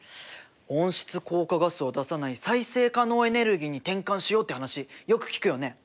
温室効果ガスを出さない再生可能エネルギーに転換しようって話よく聞くよね。